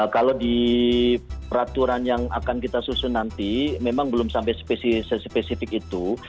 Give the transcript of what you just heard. kalau di peraturan yang akan kita susun nanti memang belum sampai spesifik itu